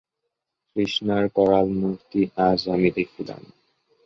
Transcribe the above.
তৃষ্ণার করালমূর্তি আজ আমি দেখিলাম।